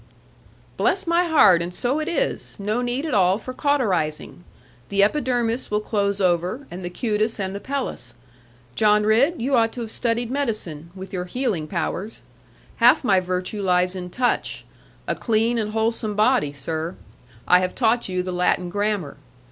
'Bless my heart! And so it is! No need at all for cauterising. The epidermis will close over, and the cutis and the pellis. John Ridd, you ought to have studied medicine, with your healing powers. Half my virtue lies in touch. A clean and wholesome body, sir; I have taught you the Latin grammar.